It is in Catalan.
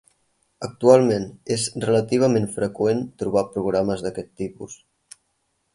Actualment és relativament freqüent trobar programes d'aquest tipus.